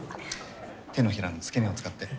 手のひらの付け根を使って。